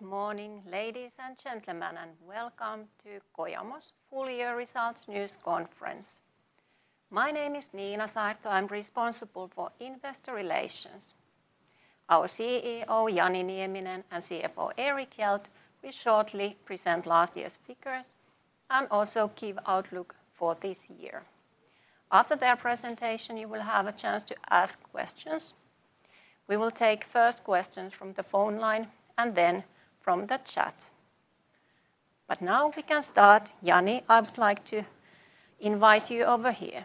Good morning, ladies and gentlemen, welcome to Kojamo's full year results news conference. My name is Niina Saarto. I'm responsible for investor relations. Our CEO, Jani Nieminen, and CFO, Erik Hjelt, will shortly present last year's figures and also give outlook for this year. After their presentation, you will have a chance to ask questions. We will take first questions from the phone line and then from the chat. Now we can start. Jani, I would like to invite you over here.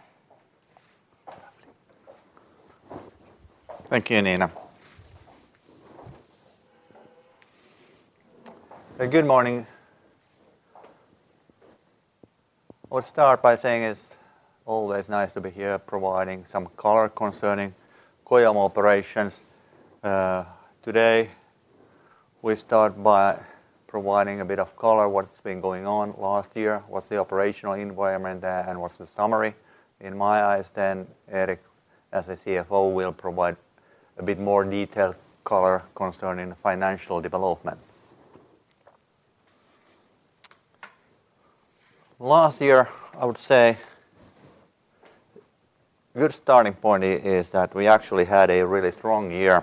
Thank you, Niina. Good morning. I'll start by saying it's always nice to be here providing some color concerning Kojamo operations. Today, we start by providing a bit of color what's been going on last year, what's the operational environment, and what's the summary. In my eyes then, Erik, as a CFO, will provide a bit more detailed color concerning the financial development. Last year, I would say, good starting point is that we actually had a really strong year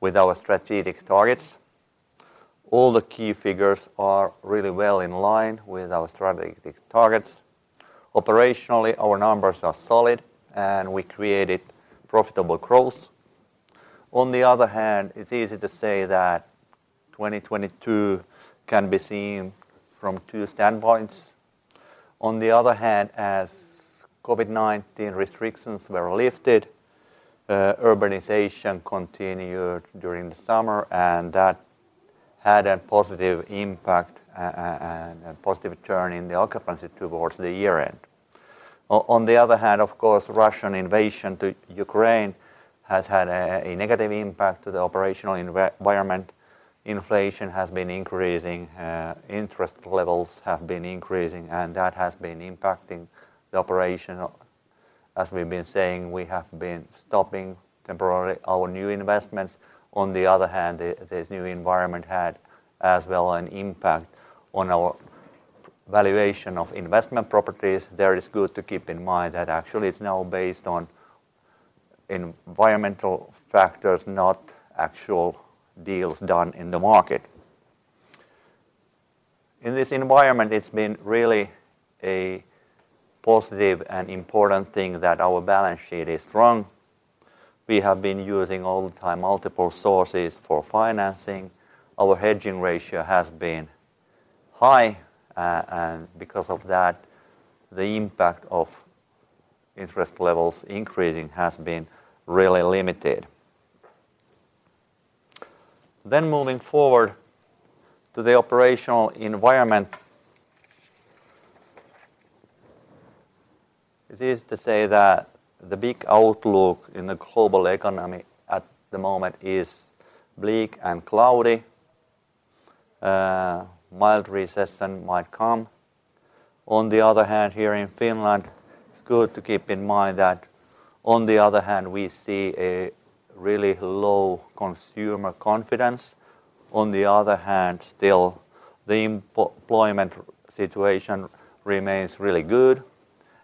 with our strategic targets. All the key figures are really well in line with our strategic targets. Operationally, our numbers are solid, and we created profitable growth. On the other hand, it's easy to say that 2022 can be seen from two standpoints. As COVID-19 restrictions were lifted, urbanization continued during the summer, and that had a positive impact and a positive turn in the occupancy towards the year-end. Of course, Russian invasion to Ukraine has had a negative impact to the operational environment. Inflation has been increasing, interest levels have been increasing. That has been impacting the operation. As we've been saying, we have been stopping temporarily our new investments. This new environment had as well an impact on our valuation of investment properties. There it's good to keep in mind that actually it's now based on environmental factors, not actual deals done in the market. In this environment, it's been really a positive and important thing that our balance sheet is strong. We have been using all the time multiple sources for financing. Our hedging ratio has been high. Because of that, the impact of interest levels increasing has been really limited. Moving forward to the operational environment. It is to say that the big outlook in the global economy at the moment is bleak and cloudy. Mild recession might come. On the other hand, here in Finland, it's good to keep in mind that on the other hand, we see a really low consumer confidence. On the other hand, still, the employment situation remains really good.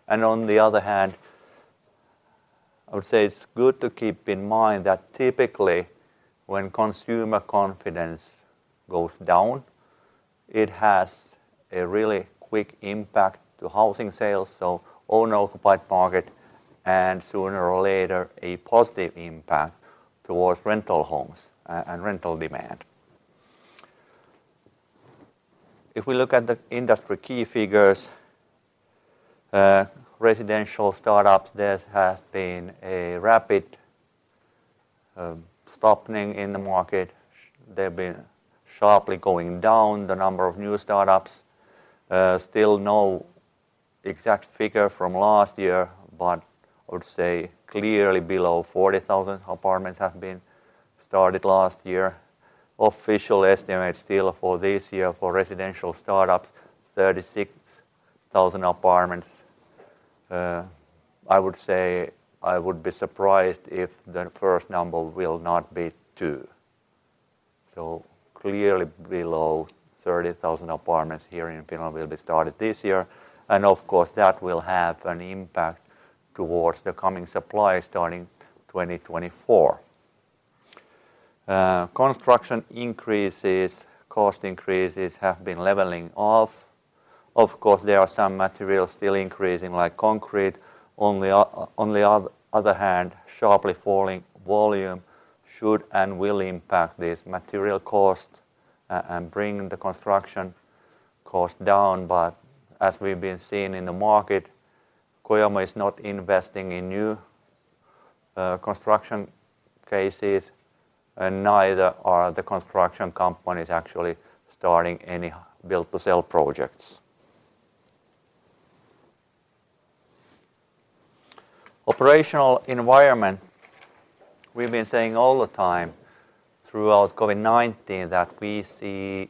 On the other hand, I would say it's good to keep in mind that typically when consumer confidence goes down, it has a really quick impact to housing sales, so owner-occupied market, and sooner or later, a positive impact towards rental homes and rental demand. We look at the industry key figures, residential startups, this has been a rapid stopping in the market. They've been sharply going down the number of new startups. Still no exact figure from last year, I would say clearly below 40,000 apartments have been started last year. Official estimate still for this year for residential startups, 36,000 apartments. I would say I would be surprised if the first number will not be two. Clearly below 30,000 apartments here in Finland will be started this year. Of course, that will have an impact towards the coming supply starting 2024. Construction increases, cost increases have been leveling off. Of course, there are some materials still increasing like concrete. On the other hand, sharply falling volume should and will impact this material cost and bring the construction cost down. As we've been seeing in the market, Kojamo is not investing in new construction cases, and neither are the construction companies actually starting any build-to-sell projects. Operational environment, we've been saying all the time throughout COVID-19 that we see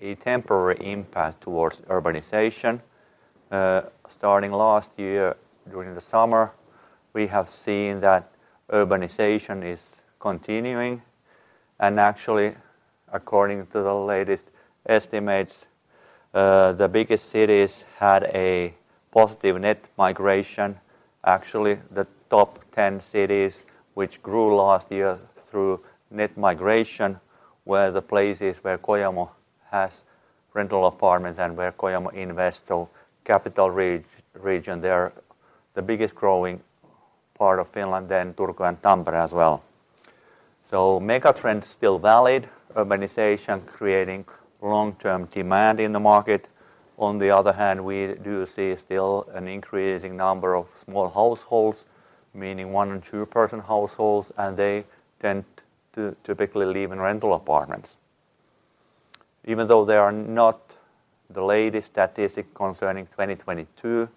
a temporary impact towards urbanization. Starting last year during the summer, we have seen that urbanization is continuing, and actually, according to the latest estimates, the biggest cities had a positive net migration. Actually, the top 10 cities which grew last year through net migration were the places where Kojamo has rental apartments and where Kojamo invests, so capital region there. The biggest growing part of Finland, Turku and Tampere as well. Mega trends still valid. Urbanization creating long-term demand in the market. On the other hand, we do see still an increasing number of small households, meaning one or two-person households, and they tend to typically live in rental apartments. Even though they are not the latest statistic concerning 2022,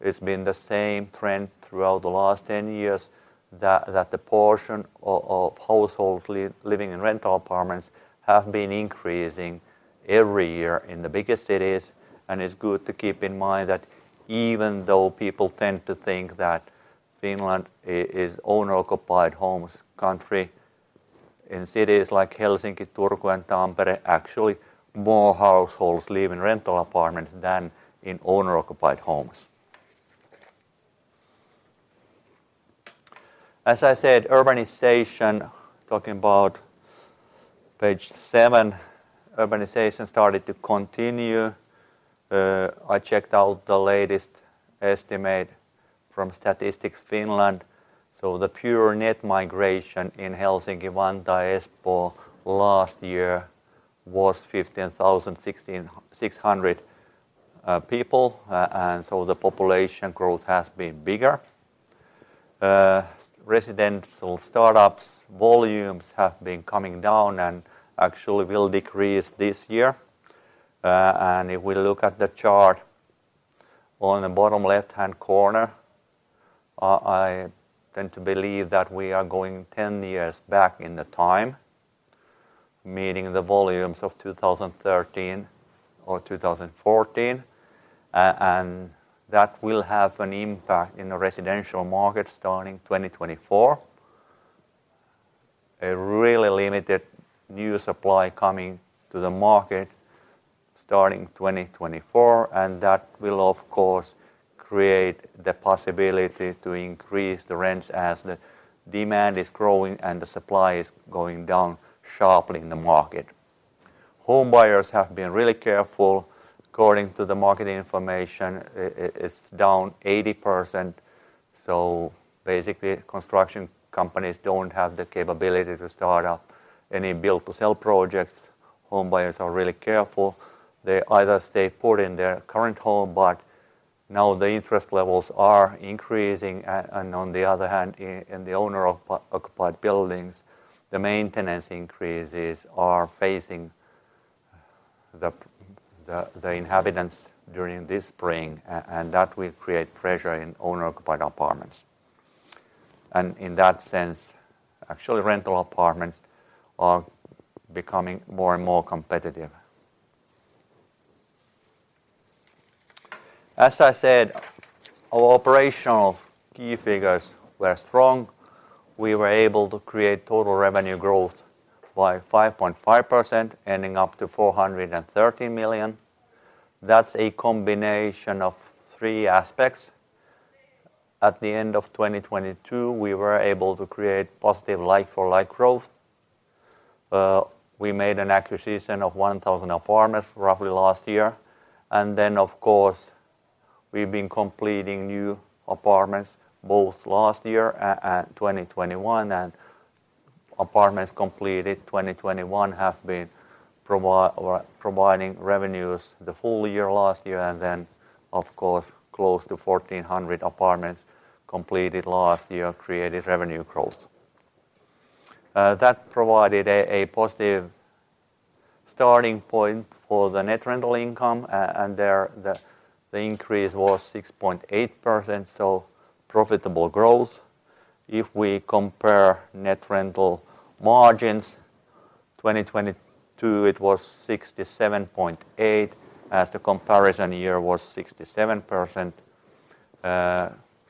it's been the same trend throughout the last 10 years, that the portion of households living in rental apartments have been increasing every year in the biggest cities. It's good to keep in mind that even though people tend to think that Finland is owner-occupied homes country, in cities like Helsinki, Turku and Tampere, actually more households live in rental apartments than in owner-occupied homes. As I said, urbanization, talking about page seven, urbanization started to continue. I checked out the latest estimate from Statistics Finland. The pure net migration in Helsinki, Vantaa, Espoo last year was 15,600 people. The population growth has been bigger. Residential startups volumes have been coming down and actually will decrease this year. If we look at the chart on the bottom left-hand corner, I tend to believe that we are going 10 years back in the time, meaning the volumes of 2013 or 2014. That will have an impact in the residential market starting 2024. A really limited new supply coming to the market starting 2024, and that will of course, create the possibility to increase the rents as the demand is growing and the supply is going down sharply in the market. Home buyers have been really careful. According to the market information, it's down 80%, so basically construction companies don't have the capability to start up any build-to-sell projects. Home buyers are really careful. They either stay put in their current home, but now the interest levels are increasing. On the other hand, in the owner of occupied buildings, the maintenance increases are facing the inhabitants during this spring, that will create pressure in owner-occupied apartments. In that sense, actually, rental apartments are becoming more and more competitive. I said, our operational key figures were strong. We were able to create total revenue growth by 5.5%, ending up to 430 million. That's a combination of three aspects. At the end of 2022, we were able to create positive like-for-like growth. We made an acquisition of 1,000 apartments roughly last year. Of course, we've been completing new apartments both last year and 2021, and apartments completed in 2021 have been providing revenues the full year last year. Of course, close to 1,400 apartments completed last year created revenue growth. That provided a positive starting point for the net rental income. And there the increase was 6.8%, so profitable growth. If we compare net rental margins, 2022 it was 67.8%, as the comparison year was 67%.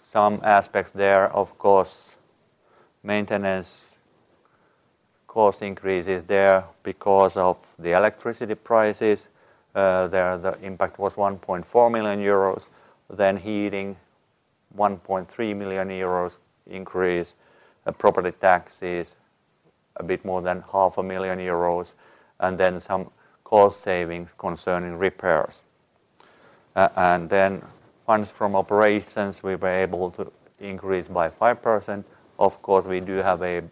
Some aspects there, of course, maintenance cost increases there because of the electricity prices. There the impact was 1.4 million euros. Heating, 1.3 million euros increase. Property taxes, a bit more than half a million EUR. Some cost savings concerning repairs. Funds from operations, we were able to increase by 5%. Of course, we do have a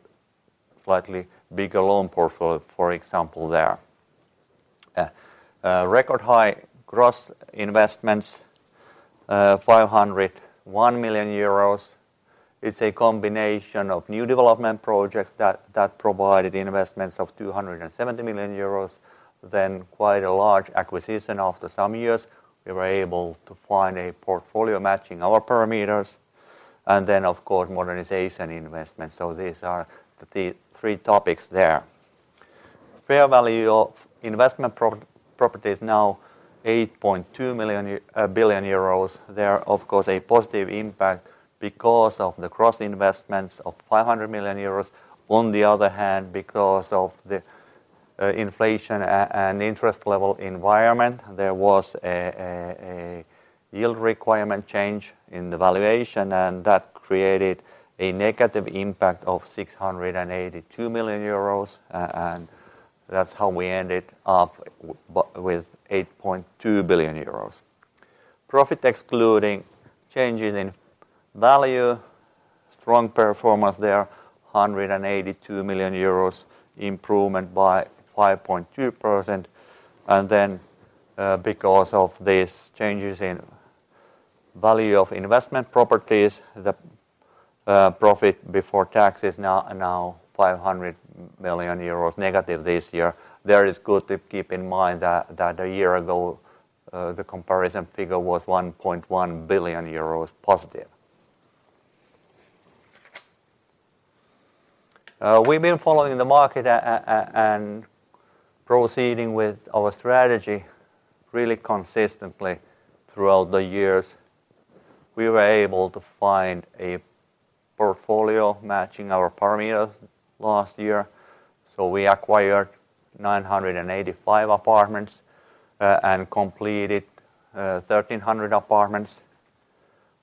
slightly bigger loan portfolio, for example, there. Record high gross investments, 501 million euros. It's a combination of new development projects that provided investments of 270 million euros. Quite a large acquisition. After some years, we were able to find a portfolio matching our parameters. Of course, modernization investment. These are the three topics there. Fair value of investment properties now 8.2 billion euros. They are of course a positive impact because of the gross investments of 500 million euros. Because of the inflation and interest level environment, there was a yield requirement change in the valuation, and that created a negative impact of 682 million euros. That's how we ended up with 8.2 billion euros. Profit excluding changes in value, strong performance there, 182 million euros, improvement by 5.2%. Because of these changes in value of investment properties, the profit before tax is now 500 million euros negative this year. There is good to keep in mind that a year ago, the comparison figure was 1.1 billion euros positive. We've been following the market and proceeding with our strategy really consistently throughout the years. We were able to find a portfolio matching our parameters last year. We acquired 985 apartments and completed 1,300 apartments.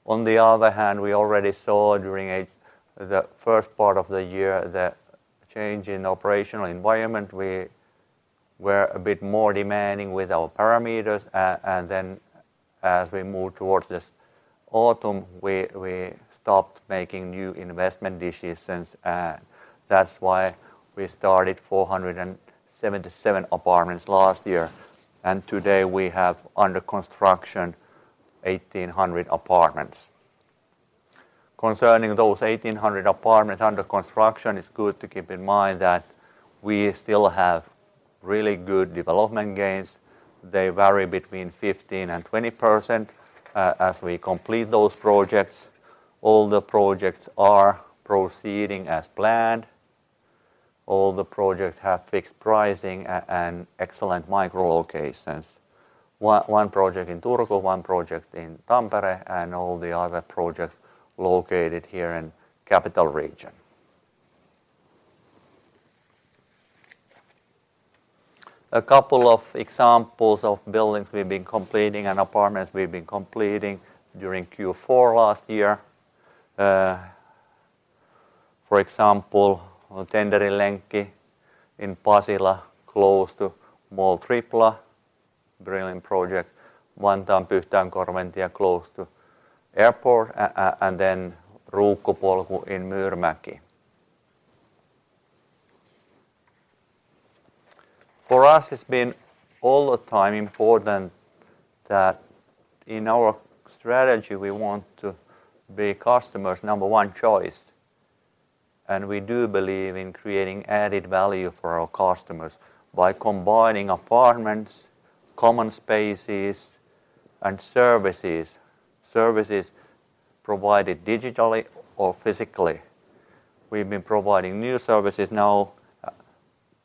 On the other hand, we already saw during the first part of the year the change in operational environment, we were a bit more demanding with our parameters. As we moved towards this autumn, we stopped making new investment decisions, and that's why we started 477 apartments last year. Today we have under construction 1,800 apartments. Concerning those 1,800 apartments under construction, it's good to keep in mind that we still have really good development gains. They vary between 15%-20% as we complete those projects. All the projects are proceeding as planned. All the projects have fixed pricing and excellent micro locations. One project in Turku, one project in Tampere, and all the other projects located here in capital region. A couple of examples of buildings we've been completing and apartments we've been completing during Q4 last year. For example, Tenderinlenkki in Pasila, close to Mall Tripla, brilliant project. Vantaan Pyhtäänkorventie close to airport. Ruukkupolku in Myyrmäki. For us, it's been all the time important that in our strategy, we want to be customers' number one choice, and we do believe in creating added value for our customers by combining apartments, common spaces, and services provided digitally or physically. We've been providing new services now.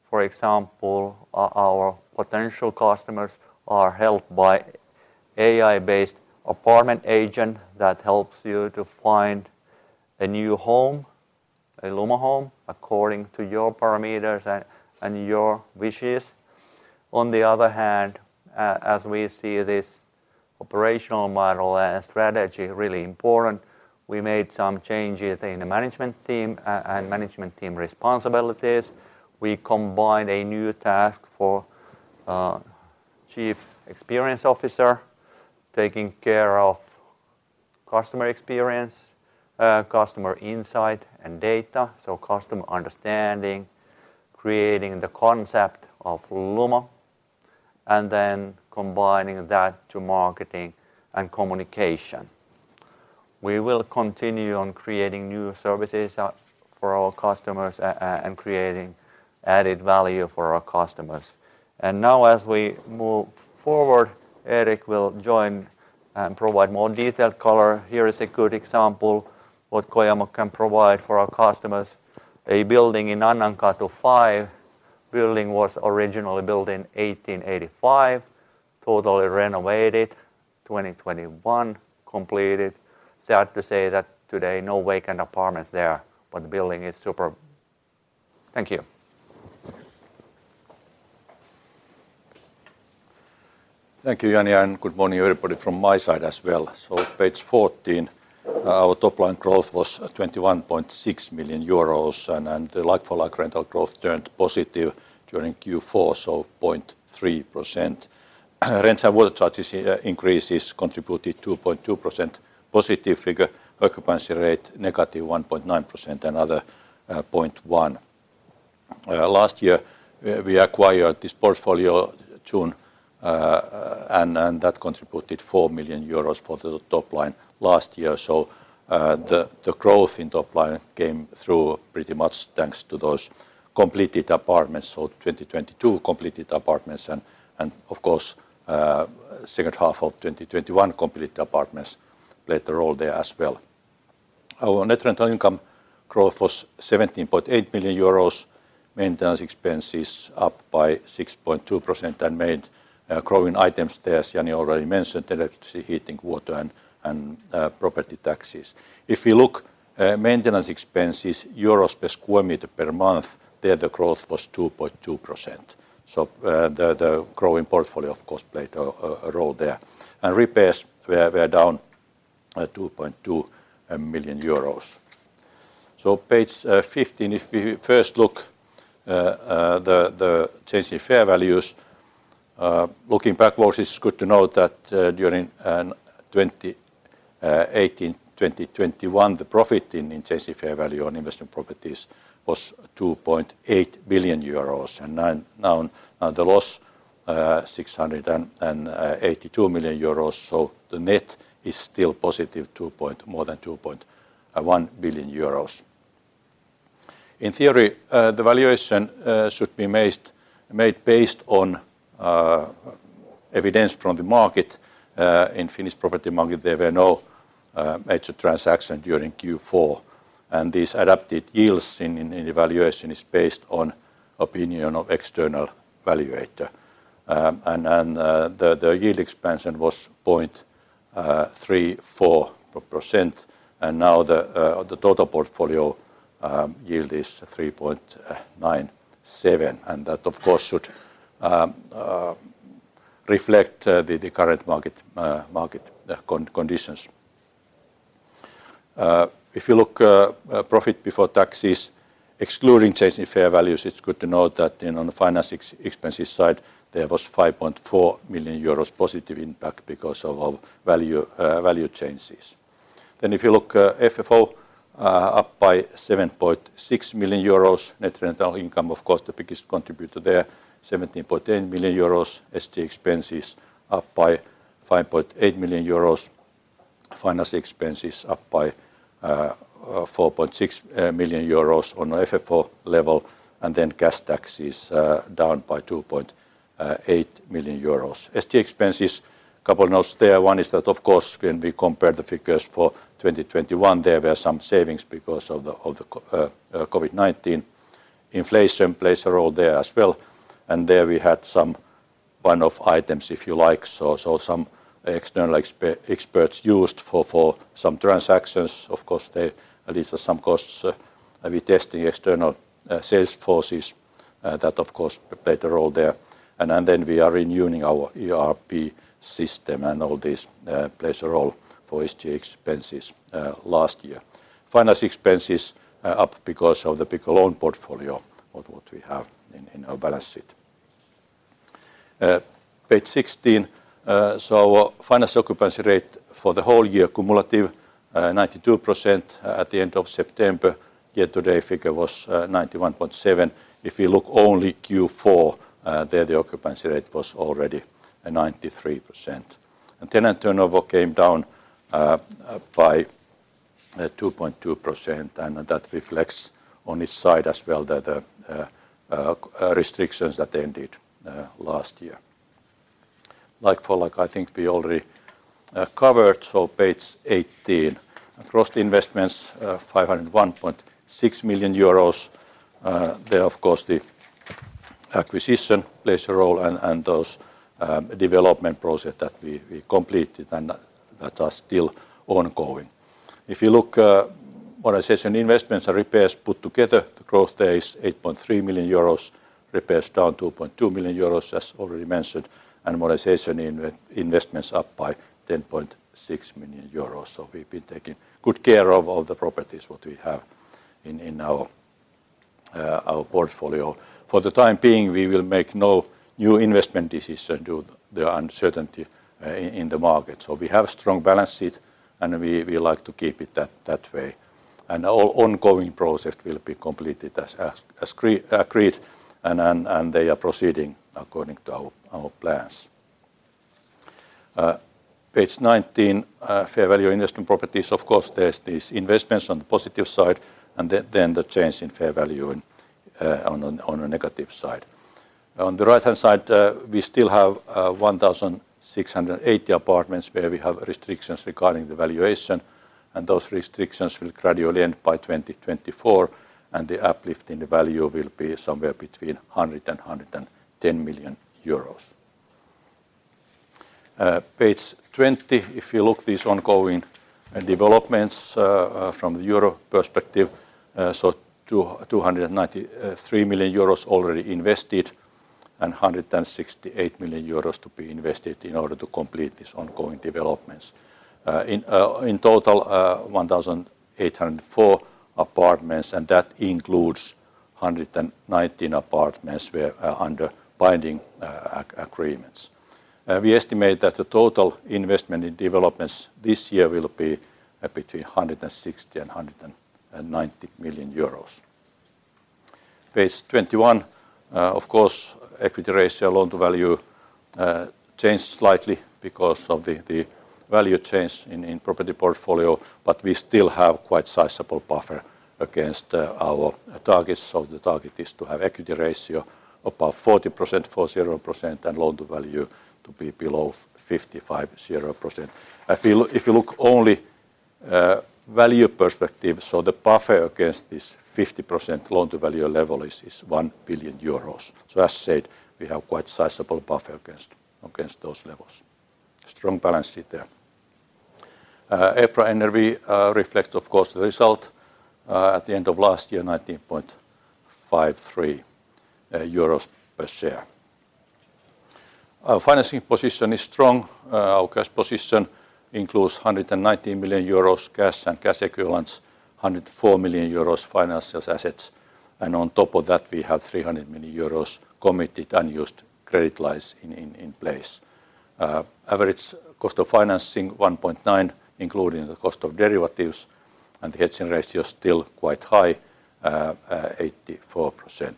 For example, our potential customers are helped by AI-based apartment agent that helps you to find a new home, a Lumo home, according to your parameters and your wishes. On the other hand, as we see this operational model and strategy really important, we made some changes in the management team and management team responsibilities. We combined a new task for chief experience officer taking care of customer experience, customer insight and data, so customer understanding, creating the concept of Lumo, then combining that to marketing and communication. We will continue on creating new services for our customers and creating added value for our customers. Now as we move forward, Erik will join and provide more detailed color. Here is a good example what Kojamo can provide for our customers. A building in Annankatu 5. Building was originally built in 1885, totally renovated. 2021 completed. Sad to say that today no vacant apartments there, the building is super. Thank you. Thank you, Jani, and good morning everybody from my side as well. Page 14, our top line growth was 21.6 million euros, and the like-for-like rental growth turned positive during Q4, 0.3%. Rents and water charges increases contributed 2.2% positive figure, occupancy rate negative 1.9%, and other 0.1%. Last year, we acquired this portfolio June, and that contributed 4 million euros for the top line last year. The growth in top line came through pretty much thanks to those completed apartments. 2022 completed apartments and of course, second half of 2021 completed apartments played a role there as well. Our net rental income growth was 17.8 billion euros. Maintenance expenses up by 6.2% made growing items there, as Jani already mentioned, electricity, heating, water, and property taxes. You look maintenance expenses, EUR per square meter per month, there the growth was 2.2%. The growing portfolio of course, played a role there. Repairs were down 2.2 million euros. Page 15, if we first look the change in fair values looking backwards, it's good to note that during 2018, 2021, the profit in change fair value on investment properties was 2.8 billion euros. Now on the loss, 682 million euros. The net is still positive, more than 2.1 billion euros. In theory, the valuation should be made based on evidence from the market. In Finnish property market, there were no major transaction during Q4. These adapted yields in evaluation is based on opinion of external valuator. The yield expansion was 0.34%, and now the total portfolio yield is 3.97. That of course, should reflect the current market conditions. If you look profit before taxes, excluding change in fair values, it's good to note that, you know, on the finance expenses side, there was 5.4 million euros positive impact because of value changes. If you look, FFO up by 7.6 million euros, net rental income of course, the biggest contributor there, 17.8 million euros. SGA expenses up by 5.8 million euros. Finance expenses up by 4.6 million euros on FFO level. Cash taxes down by 2.8 million euros. SGA expenses, a couple notes there. One is that of course, when we compare the figures for 2021, there were some savings because of the COVID-19 inflation plays a role there as well. There we had some one-off items, if you like. So some external experts used for some transactions. Of course, at least for some costs, we're testing external sales forces that of course played a role there. Then we are renewing our ERP system, and all this plays a role for SG expenses last year. Finance expenses up because of the bigger loan portfolio of what we have in our balance sheet. Page 16. Financial occupancy rate for the whole year cumulative 92% at the end of September. Year to date figure was 91.7. If you look only Q4, there the occupancy rate was already 93%. Tenant turnover came down by 2.2%, and that reflects on its side as well that restrictions that ended last year. Like-for-like, I think we already covered. Page 18. Gross investments 501.6 million euros. There of course, the acquisition plays a role and those development project that we completed and that are still ongoing. If you look, modernization investments and repairs put together, the growth there is 8.3 million euros. Repairs down 2.2 million euros as already mentioned. Modernization investments up by 10.6 million euros. We've been taking good care of all the properties that we have in our portfolio. For the time being, we will make no new investment decision due the uncertainty in the market. We have strong balance sheet, and we like to keep it that way. Our ongoing project will be completed as agreed, and they are proceeding according to our plans. Page 19. Fair value investment properties. There's these investments on the positive side and then the change in fair value on a negative side. We still have 1,680 apartments where we have restrictions regarding the valuation, and those restrictions will gradually end by 2024, and the uplift in the value will be somewhere between 100 million-110 million euros. Page 20. If you look these ongoing developments from the Euro perspective, 293 million euros already invested and 168 million euros to be invested in order to complete these ongoing developments. In total, 1,804 apartments, and that includes 119 apartments were under binding agreements. We estimate that the total investment in developments this year will be between 160 million euros and 190 million euros. Page 21. Of course, equity ratio loan value changed slightly because of the value change in property portfolio, we still have quite sizable buffer against our targets. The target is to have equity ratio above 40% and loan to value to be below 50%. I feel if you look only, value perspective, the buffer against this 50% loan to value level is 1 billion euros. As said, we have quite sizable buffer against those levels. Strong balance sheet there. EPRA NRV reflects of course the result at the end of last year, 19.53 euros per share. Our financing position is strong. Our cash position includes 190 million euros cash and cash equivalents, 104 million euros financial assets, and on top of that, we have 300 million euros committed, unused credit lines in place. Average cost of financing 1.9 including the cost of derivatives and the hedging ratio is still quite high, 84%.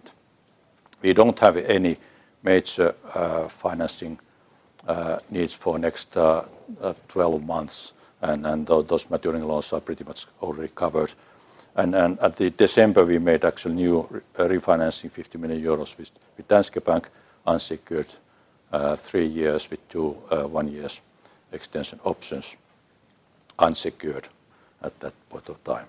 We don't have any major financing needs for next 12 months and those maturing loans are pretty much already covered. At the December, we made actual new refinancing 50 million euros with Danske Bank unsecured, 3 years with two 1 years extension options unsecured at that point of time.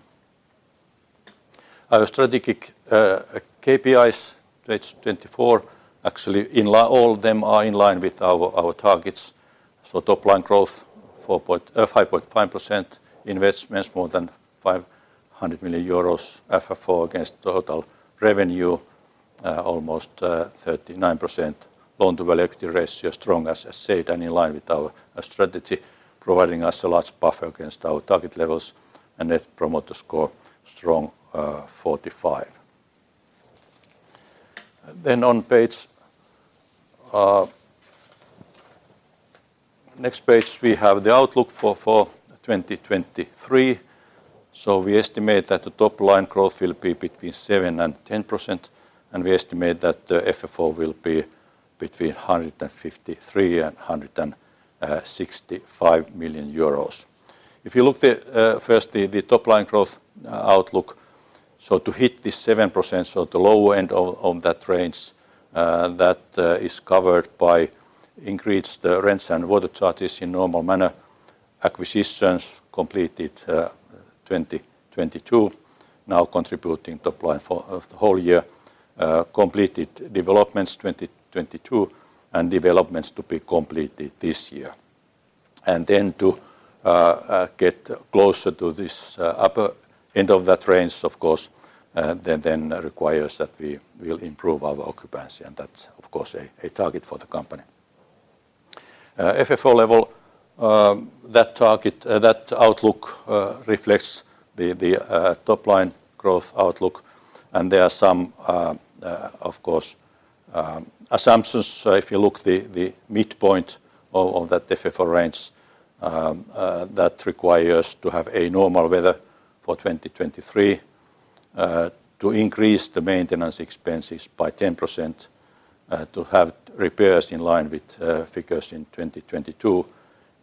Our strategic KPIs page 24 actually all of them are in line with our targets. Top line growth 5.5%. Investments more than 500 million euros. FFO against total revenue, almost 39%. Loan to value ratio strong as I said, and in line with our strategy, providing us a large buffer against our target levels, and net promoter score strong, 45. On page, next page, we have the outlook for 2023. We estimate that the top line growth will be between 7% and 10%, and we estimate that the FFO will be between 153 million euros and 165 million euros. If you look the first the top line growth outlook, to hit this 7%, the low end of that range, that is covered by increased rents and water charges in normal manner. Acquisitions completed, 2022 now contributing top line for the whole year. Completed developments 2022, and developments to be completed this year. Then to get closer to this upper end of that range, of course, then requires that we will improve our occupancy, and that's of course a target for the company. FFO level, that target, that outlook reflects the top line growth outlook, and there are some, of course, assumptions. If you look the midpoint of that FFO range, that requires to have a normal weather for 2023, to increase the maintenance expenses by 10%, to have repairs in line with figures in 2022.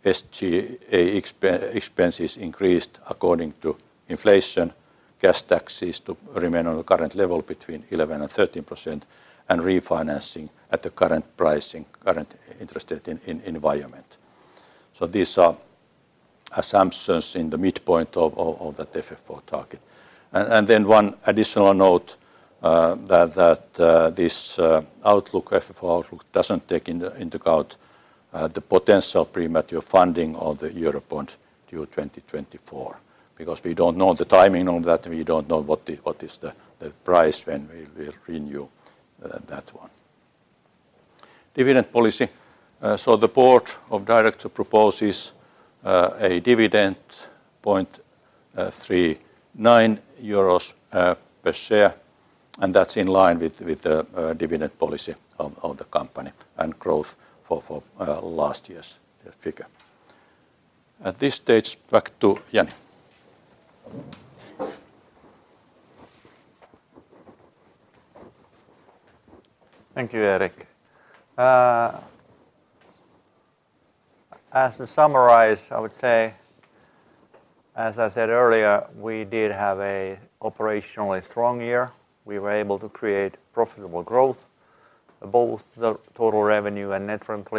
SGA expenses increased according to inflation. Gas taxes to remain on the current level between 11 and 13%, and refinancing at the current pricing, current interest rate environment. These are assumptions in the midpoint of that FFO target. Then one additional note that this outlook, FFO outlook doesn't take into account the potential premature funding of the Eurobond due 2024 because we don't know the timing of that, and we don't know what the price when we renew that one. Dividend policy. The board of director proposes a dividend point 0.39 euros per share, and that's in line with the dividend policy of the company and growth for last year's figure. At this stage, back to Jani. Thank you, Erik. As to summarize, I would say, as I said earlier, we did have a operationally strong year. We were able to create profitable growth. Both the total revenue and net rental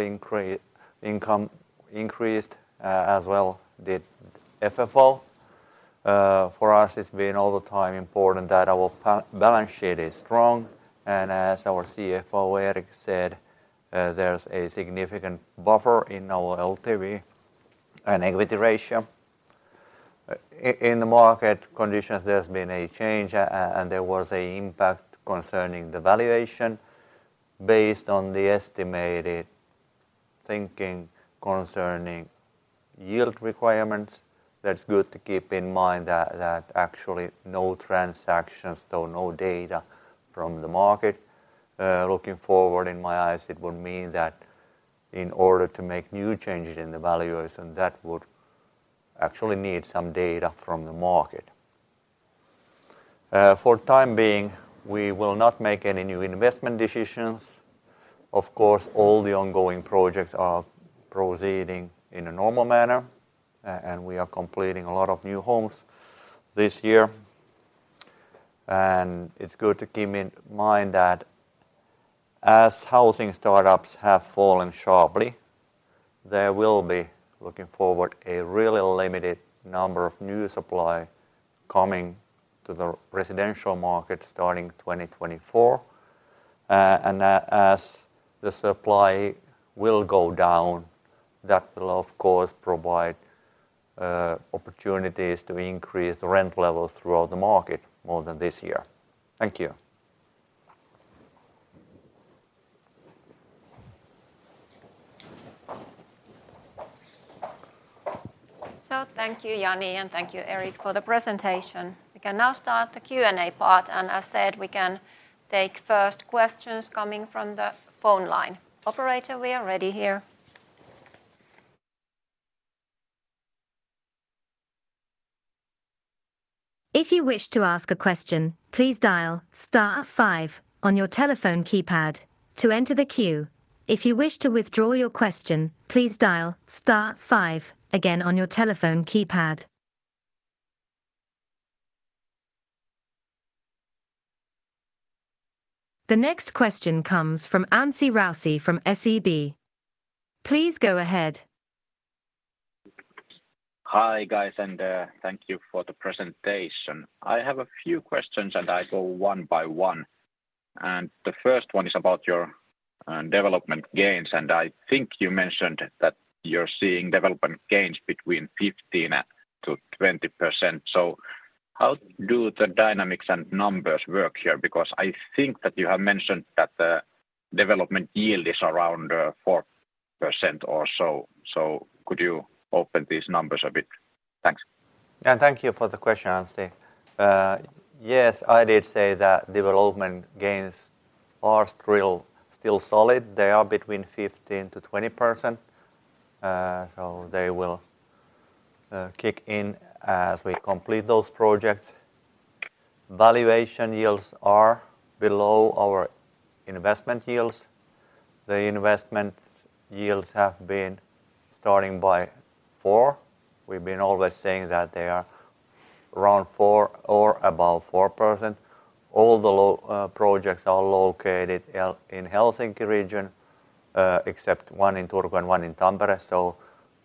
income increased, as well did FFO. For us, it's been all the time important that our balance sheet is strong. As our CFO, Erik, said, there's a significant buffer in our LTV and equity ratio. In the market conditions, there's been a change and there was a impact concerning the valuation based on the estimated thinking concerning yield requirements. That's good to keep in mind that actually no transactions, so no data from the market. Looking forward in my eyes, it would mean that in order to make new changes in the valuation, that would actually need some data from the market. For time being, we will not make any new investment decisions. Of course, all the ongoing projects are proceeding in a normal manner and we are completing a lot of new homes this year. It's good to keep in mind that as housing startups have fallen sharply, there will be, looking forward, a really limited number of new supply coming to the residential market starting 2024. As the supply will go down, that will of course provide opportunities to increase the rent levels throughout the market more than this year. Thank you. Thank you, Jani, and thank you, Erik, for the presentation. We can now start the Q&A part, and as said, we can take first questions coming from the phone line. Operator, we are ready here. If you wish to ask a question, please dial star five on your telephone keypad to enter the queue. If you wish to withdraw your question, please dial star five again on your telephone keypad. The next question comes from Anssi Raussi from SEB. Please go ahead. Hi, guys, thank you for the presentation. I have a few questions, and I go one by one. The first one is about your development gains. I think you mentioned that you're seeing development gains between 15%-20%. How do the dynamics and numbers work here? Because I think that you have mentioned that the development yield is around 4% or so. Could you open these numbers a bit? Thanks. Thank you for the question, Anssi. Yes, I did say that development gains are still solid. They are between 15%-20%. They will kick in as we complete those projects. Valuation yields are below our investment yields. The investment yields have been starting by four. We've been always saying that they are around 4% or above 4%. All the projects are located in Helsinki region, except one in Turku and one in Tampere.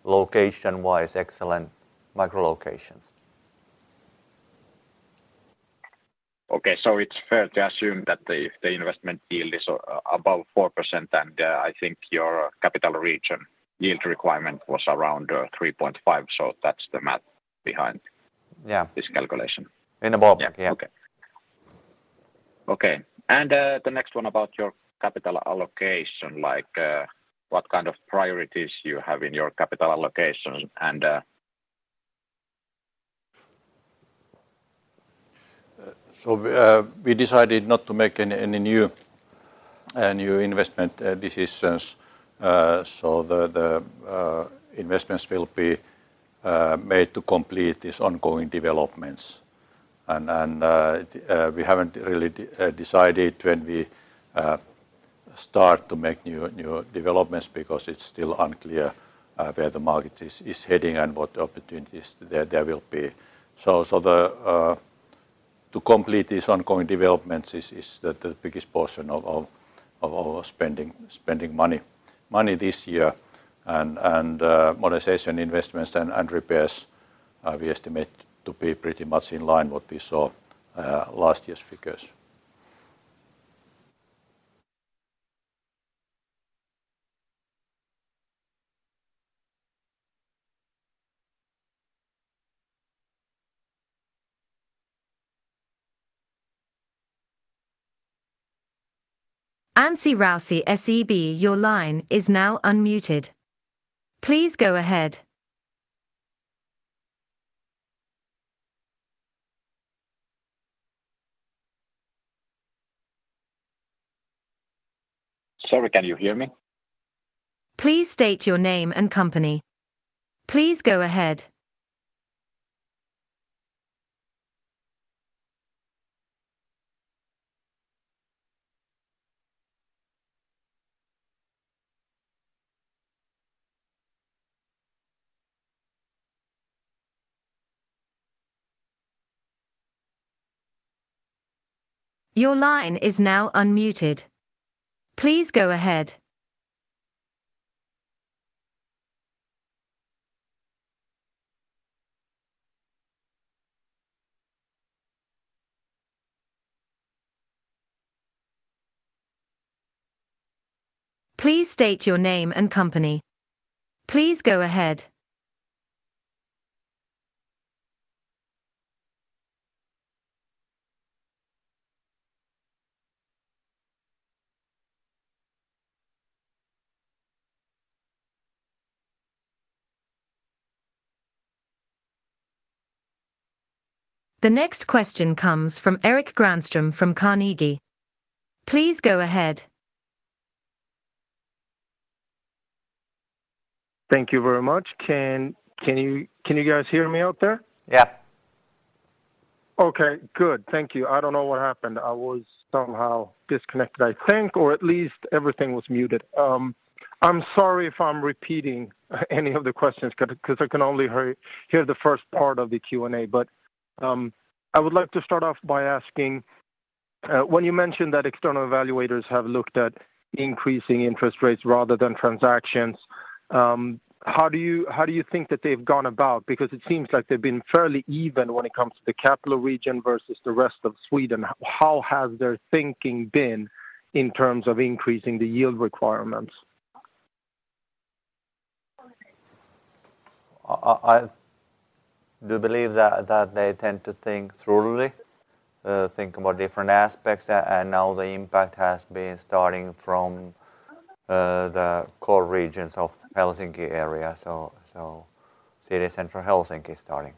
Location-wise, excellent micro locations. It's fair to assume that the investment yield is above 4%, and, I think your capital region yield requirement was around, 3.5%. That's the math behind this calculation. In a bulk, yeah. Yeah. Okay. Okay. The next one about your capital allocation, like, what kind of priorities you have in your capital allocation and... We decided not to make any new investment decisions. The investments will be made to complete these ongoing developments. We haven't really decided when we start to make new developments because it's still unclear where the market is heading and what opportunities there will be. The to complete these ongoing developments is the biggest portion of our spending money this year. Monetization investments and repairs we estimate to be pretty much in line what we saw last year's figures. Anssi Raussi, SEB, your line is now unmuted. Please go ahead. Sorry, can you hear me? Please state your name and company. Please go ahead. Your line is now unmuted. Please go ahead. Please state your name and company. Please go ahead. The next question comes from Erik Granström from Carnegie. Please go ahead. Thank you very much. Can you guys hear me out there? Yeah. Okay, good. Thank you. I don't know what happened. I was somehow disconnected, I think, or at least everything was muted. I'm sorry if I'm repeating any of the questions 'cause I can only hear the first part of the Q&A. I would like to start off by asking when you mentioned that external evaluators have looked at increasing interest rates rather than transactions, how do you think that they've gone about? It seems like they've been fairly even when it comes to the capital region versus the rest of Finland. How has their thinking been in terms of increasing the yield requirements? I do believe that they tend to think thoroughly, think about different aspects and now the impact has been starting from the core regions of Helsinki area. City central Helsinki starting.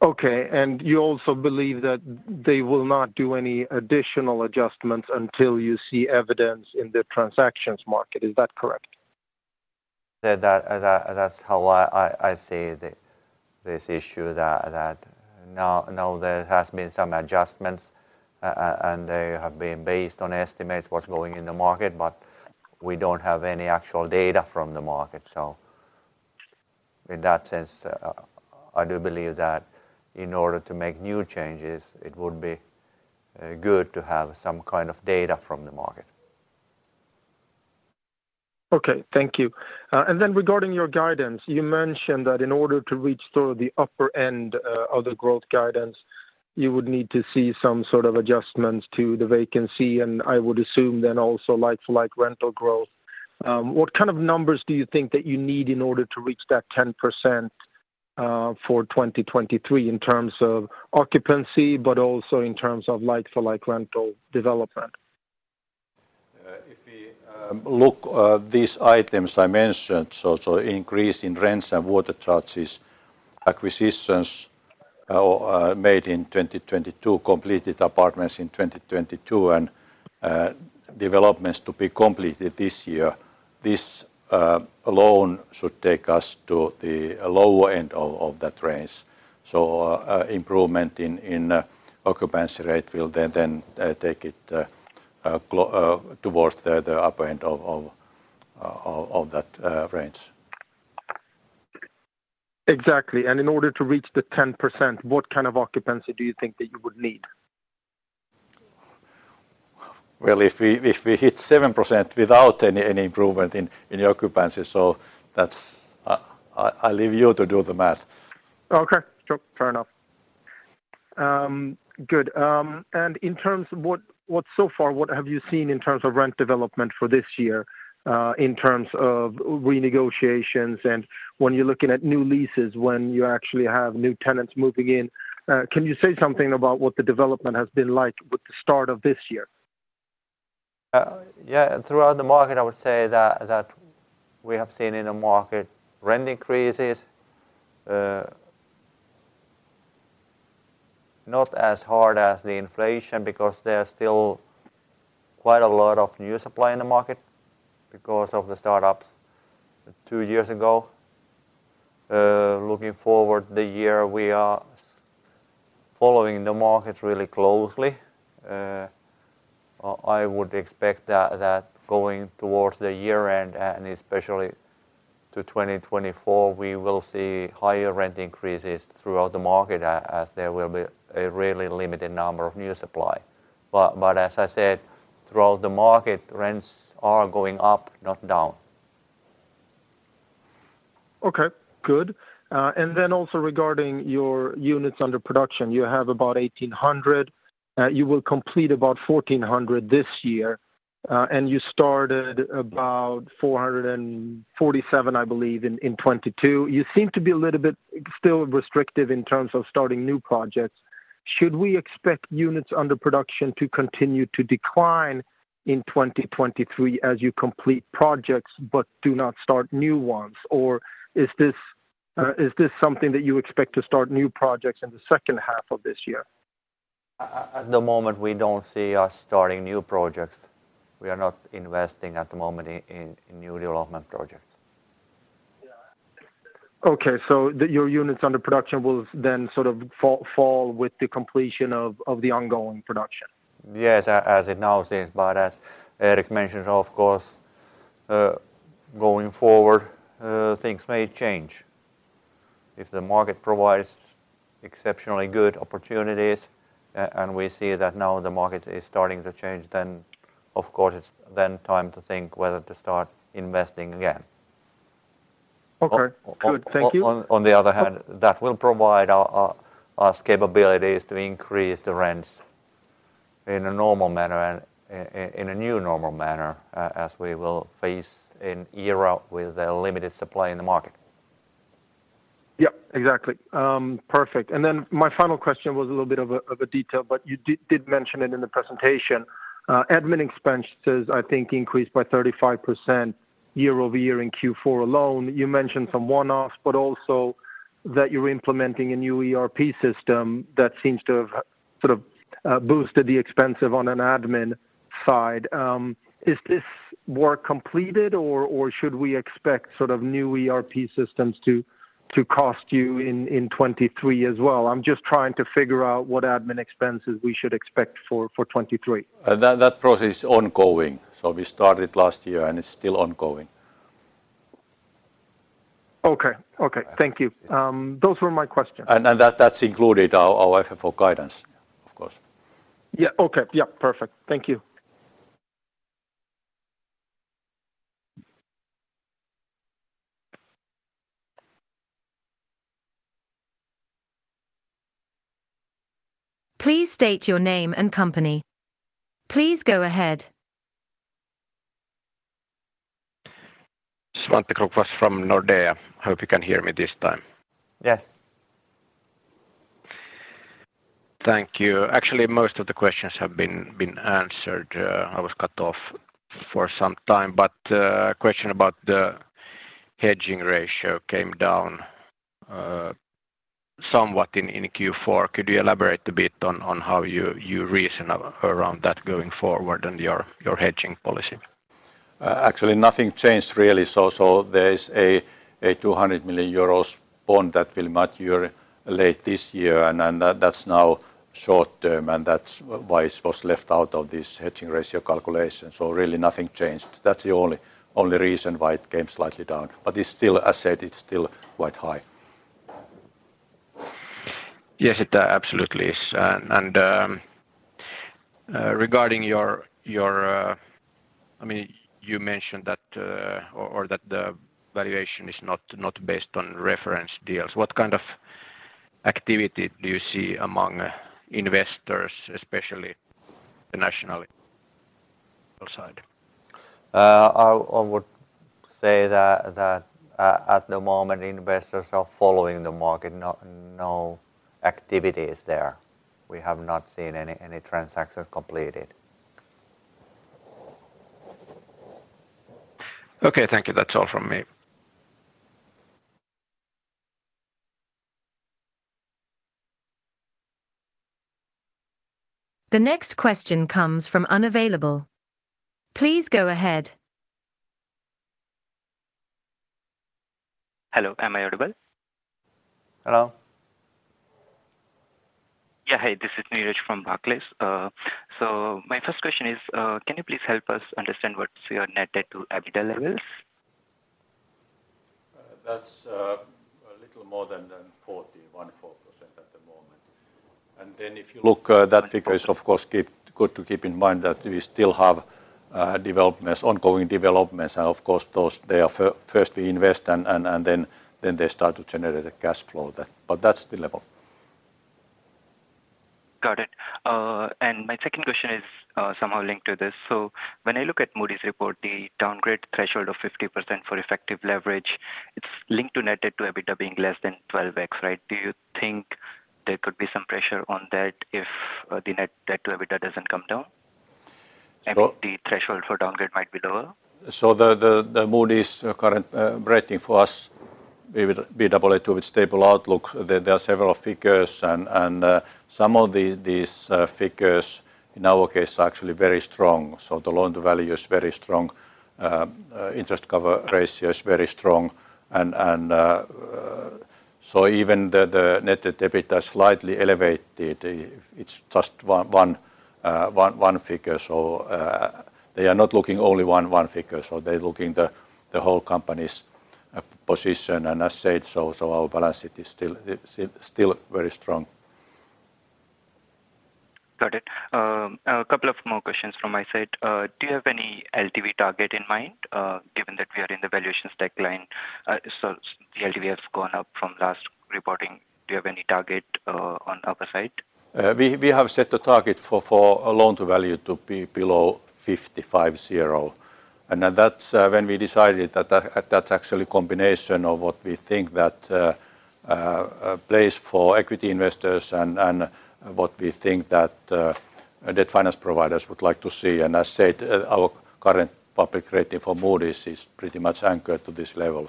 Okay. You also believe that they will not do any additional adjustments until you see evidence in the transactions market. Is that correct? That's how I see this issue that now there has been some adjustments and they have been based on estimates what's going in the market. We don't have any actual data from the market. In that sense, I do believe that in order to make new changes, it would be good to have some kind of data from the market. Thank you. Regarding your guidance, you mentioned that in order to reach through the upper end of the growth guidance, you would need to see some sort of adjustments to the vacancy, and I would assume then also like-for-like rental growth. What kind of numbers do you think that you need in order to reach that 10% for 2023 in terms of occupancy, but also in terms of like-for-like rental development? If we look at these items I mentioned, increase in rents and water charges, acquisitions made in 2022, completed apartments in 2022 and developments to be completed this year. This alone should take us to the lower end of that range. Improvement in occupancy rate will take it towards the upper end of that range. Exactly. In order to reach the 10%, what kind of occupancy do you think that you would need? If we hit 7% without any improvement in the occupancy, so that's... I'll leave you to do the math. Okay. Sure. Fair enough. Good. In terms of what so far, what have you seen in terms of rent development for this year, in terms of renegotiations and when you're looking at new leases, when you actually have new tenants moving in? Can you say something about what the development has been like with the start of this year? Yeah. Throughout the market, I would say that we have seen in the market rent increases, not as hard as the inflation because there's still quite a lot of new supply in the market because of the startups two years ago. Looking forward the year, we are following the market really closely. I would expect that going towards the year end, and especially to 2024, we will see higher rent increases throughout the market as there will be a really limited number of new supply. As I said, throughout the market, rents are going up, not down. Okay. Good. Then also regarding your units under production. You have about 1,800. You will complete about 1,400 this year. You started about 447, I believe, in 2022. You seem to be a little bit still restrictive in terms of starting new projects. Should we expect units under production to continue to decline in 2023 as you complete projects but do not start new ones? Is this, is this something that you expect to start new projects in the second half of this year? At the moment, we don't see us starting new projects. We are not investing at the moment in new development projects. Okay. Your units under production will then sort of fall with the completion of the ongoing production? Yes. As it now seems. As Erik mentioned, of course, going forward, things may change. If the market provides exceptionally good opportunities and we see that now the market is starting to change, then of course it's then time to think whether to start investing again. Okay. Good. Thank you. On the other hand, that will provide our, us capabilities to increase the rents in a normal manner and in a new normal manner as we will face an era with a limited supply in the market. Yeah. Exactly. Perfect. My final question was a little bit of a, of a detail, but you did mention it in the presentation. Admin expenses I think increased by 35% year over year in Q4 alone. You mentioned some one-offs, but also that you're implementing a new ERP system that seems to have sort of boosted the expensive on an admin side. Is this work completed or should we expect sort of new ERP systems to cost you in 2023 as well? I'm just trying to figure out what admin expenses we should expect for 2023. That process is ongoing. We started last year, and it's still ongoing. Okay. Thank you. Those were my questions. That's included our FFO guidance, of course. Yeah. Okay. Yeah. Perfect. Thank you. Please state your name and company. Please go ahead. Svante Krokfors from Nordea. Hope you can hear me this time. Yes. Thank you. Actually, most of the questions have been answered. I was cut off for some time, but a question about the hedging ratio came down somewhat in Q4. Could you elaborate a bit on how you reason around that going forward and your hedging policy? Actually nothing changed really. There is a 200 million euros bond that will mature late this year, and that's now short-term, and that's why it was left out of this hedging ratio calculation. Really nothing changed. That's the only reason why it came slightly down. It's still as said, it's still quite high. Yes, it absolutely is. Regarding your... I mean, you mentioned that, or that the valuation is not based on reference deals. What kind of activity do you see among investors, especially the national side? I would say that at the moment, investors are following the market. No activity is there. We have not seen any transactions completed. Okay. Thank you. That's all from me. The next question comes from unavailable. Please go ahead. Hello. Am I audible? Hello. Yeah. Hi, this is Neeraj from Barclays. My first question is, can you please help us understand what's your net debt to EBITDA levels? That's a little more than 40.14% at the moment. If you look, that figure is of course good to keep in mind that we still have developments, ongoing developments. Of course those, they are first we invest and then they start to generate a cash flow then. That's the level. Got it. My second question is, somehow linked to this. When I look at Moody's report, the downgrade threshold of 50% for effective leverage, it's linked to net debt to Adjusted EBITDA being less than 12x, right? Do you think there could be some pressure on that if the net debt to Adjusted EBITDA doesn't come down? Well- The threshold for downgrade might be lower. The Moody's current rating for us, we will be Aa2 with stable outlook. There are several figures and some of these figures in our case are actually very strong. The loan to value is very strong. Interest cover ratio is very strong and even the net debt to Adjusted EBITDA slightly elevated. It's just one figure. They are not looking only one figure. They're looking the whole company's position and as said, so our balance sheet is still very strong. Got it. A couple of more questions from my side. Do you have any LTV target in mind, given that we are in the valuation decline? The LTV has gone up from last reporting. Do you have any target, on upper side? We have set a target for a loan to value to be below 55.0%. That's when we decided that that's actually combination of what we think that a place for equity investors and what we think that debt finance providers would like to see. As said, our current public rating for Moody's is pretty much anchored to this level.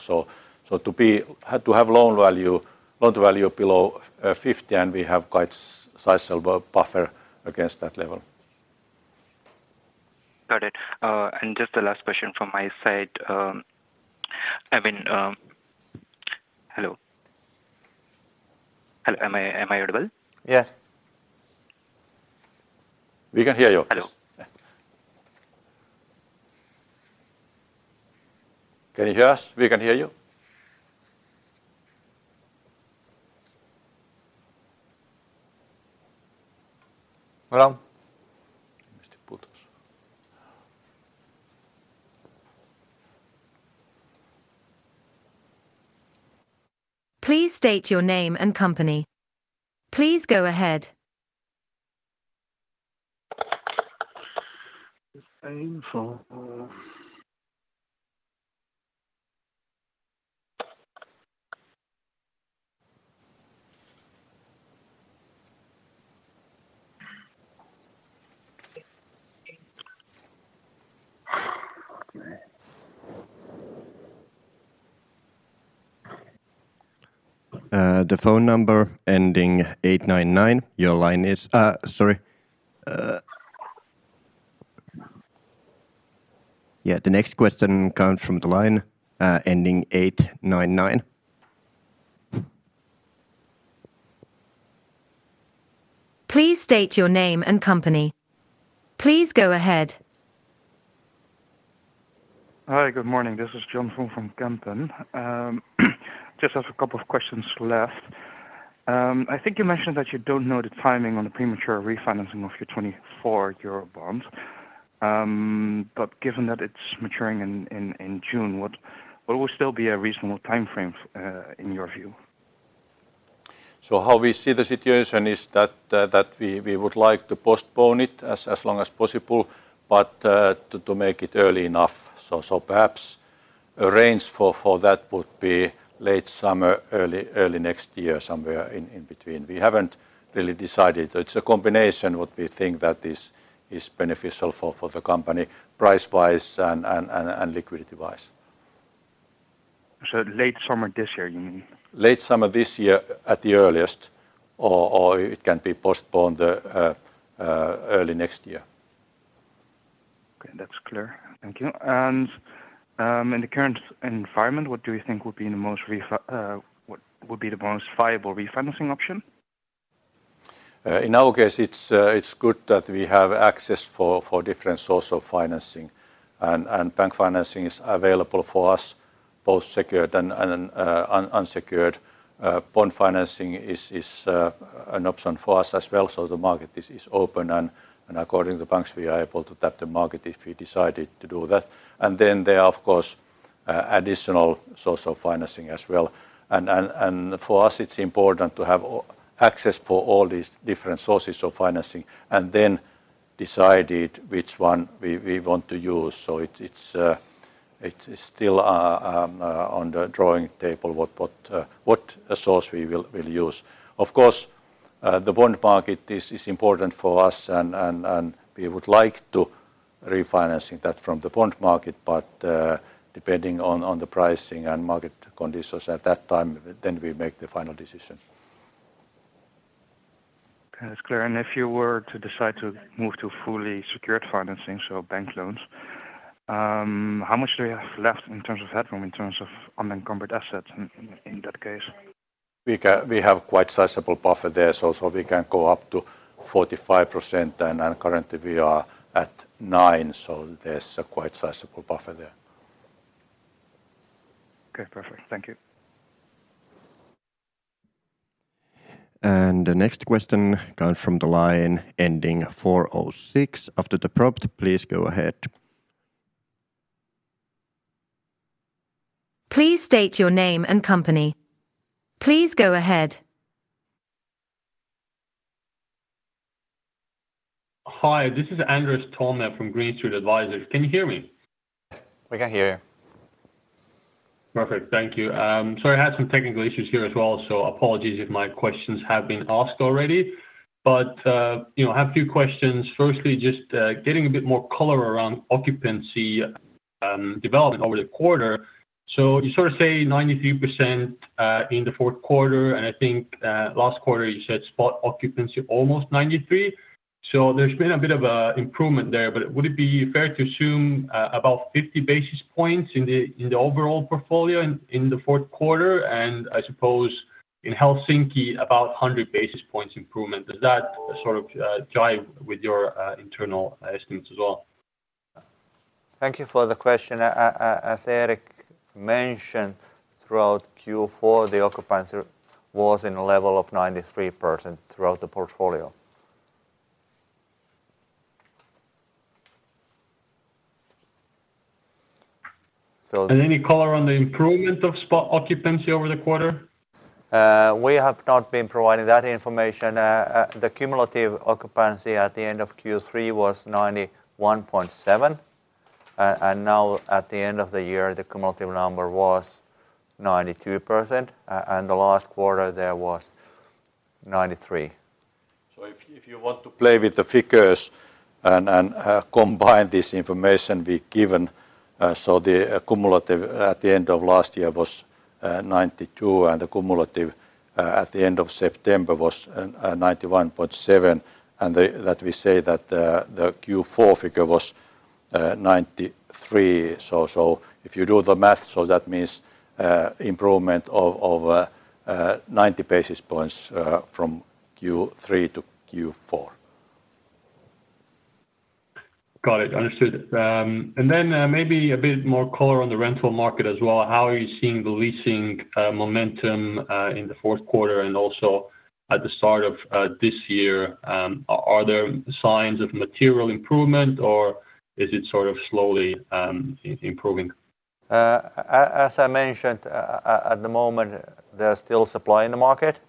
To have loan value below 50% and we have quite sizeable buffer against that level. Got it. Just the last question from my side, I mean... Hello? Am I audible? Yes. We can hear you. Hello. Can you hear us? We can hear you. Hello? Please state your name and company. Please go ahead. Sorry. The next question comes from the line, ending 899. Please state your name and company. Please go ahead. Hi, good morning. This is John Vuong from Kempen. Just have a couple of questions left. I think you mentioned that you don't know the timing on the premature refinancing of your 2024 Eurobonds. Given that it's maturing in June, what would still be a reasonable timeframe in your view? How we see the situation is that we would like to postpone it as long as possible, but to make it early enough. Perhaps a range for that would be late summer, early next year, somewhere in between. We haven't really decided. It's a combination what we think that is beneficial for the company price-wise and liquidity-wise. Late summer this year, you mean? Late summer this year at the earliest or it can be postponed, early next year. Okay. That's clear. Thank you. In the current environment, what do you think would be the most viable refinancing option? In our case, it's good that we have access for different source of financing and bank financing is available for us, both secured and unsecured. Bond financing is an option for us as well. The market is open and according to the banks, we are able to tap the market if we decided to do that. There are, of course, additional source of financing as well. For us it's important to have access for all these different sources of financing and then decided which one we want to use. It's still on the drawing table, what source we'll use. Of course, the bond market is important for us and we would like to refinancing that from the bond market. Depending on the pricing and market conditions at that time, then we make the final decision. Okay. That's clear. If you were to decide to move to fully secured financing, so bank loans, how much do you have left in terms of headroom, in terms of unencumbered assets in that case? We have quite sizable buffer there, so we can go up to 45% then. Currently we are at 9, so there's a quite sizable buffer there. Okay. Perfect. Thank you. The next question comes from the line ending 406. After the prompt, please go ahead. Please state your name and company. Please go ahead. Hi, this is Andres Toome from Green Street Advisors. Can you hear me? Yes. We can hear you. Perfect. Thank you. I had some technical issues here as well, so apologies if my questions have been asked already. You know, I have a few questions. Firstly, just getting a bit more color around occupancy development over the quarter. You sort of say 93% in the fourth quarter, and I think last quarter you said spot occupancy almost 93. There's been a bit of a improvement there, but would it be fair to assume about 50 basis points in the overall portfolio in the fourth quarter, and I suppose in Helsinki about 100 basis points improvement? Does that sort of jive with your internal estimates as well? Thank you for the question. As Erik mentioned, throughout Q4, the occupancy was in a level of 93% throughout the portfolio. Any color on the improvement of spot occupancy over the quarter? We have not been provided that information. The cumulative occupancy at the end of Q3 was 91.7%. Now at the end of the year, the cumulative number was 92%. The last quarter there was 93%. If you want to play with the figures and combine this information we given, the cumulative at the end of last year was 92, and the cumulative at the end of September was 91.7. That we say that the Q4 figure was 93. If you do the math, that means improvement of 90 basis points from Q3 to Q4. Got it. Understood. Then maybe a bit more color on the rental market as well. How are you seeing the leasing momentum in the fourth quarter and also at the start of this year? Are there signs of material improvement or is it sort of slowly improving? As I mentioned, at the moment there's still supply in the market.